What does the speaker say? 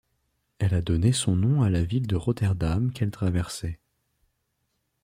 Elle a donné son nom à la ville de Rotterdam qu'elle traversait.